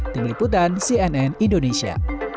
terbeliputan cnn indonesia